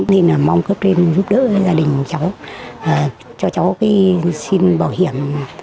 nên là mong có thể giúp đỡ gia đình cháu cho cháu xin bảo hiểm